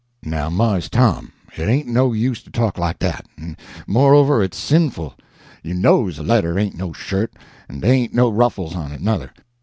"Now, Mars Tom, it ain't no use to talk like dat; en, moreover, it's sinful. You knows a letter ain't no shirt, en dey ain't no ruffles on it, nuther.